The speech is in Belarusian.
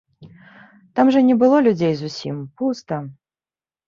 Там жа не было людзей зусім, пуста.